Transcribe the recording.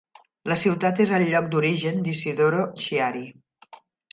La ciutat és el lloc d'origen d'Isidoro Chiari.